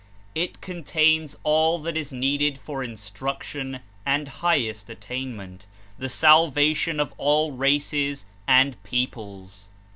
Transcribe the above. It contains all that is needed for instruction and highest attainment, the salvation of all races and peoples.